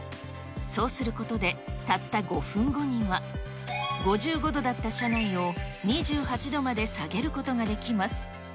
そうすることで、たった５分後には、５５度だった車内を２８度まで下げることができます。